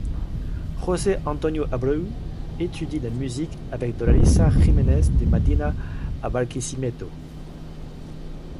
Josè Antonio Abreu étudie la musique avec Doralisa Jimenez de Medina à Barquisimeto.